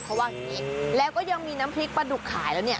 เพราะว่าแล้วก็ยังมีน้ำพริกปลาดุกขายแล้วเนี่ย